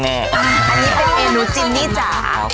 อันนี้เป็นเมนูจิมนี่จ๋า